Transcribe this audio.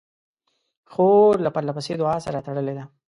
خور له پرله پسې دعا سره تړلې ده.